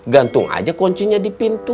gantung aja kuncinya di pintu